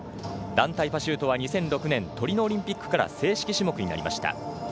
団体パシュートは２００６年トリノオリンピックから正式種目となりました。